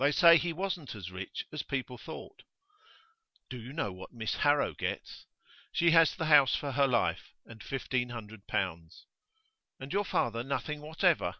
They say he wasn't as rich as people thought.' 'Do you know what Miss Harrow gets?' 'She has the house for her life, and fifteen hundred pounds.' 'And your father nothing whatever?